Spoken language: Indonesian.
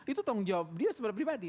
itu tanggung jawab dia secara pribadi